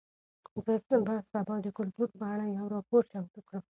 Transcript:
زه به سبا د کلتور په اړه یو راپور چمتو کړم.